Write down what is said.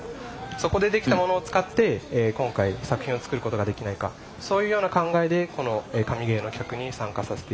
そこで出来たものを使って今回作品を作ることができないかそういうような考えでこの「神ゲー」の企画に参加させて頂いております。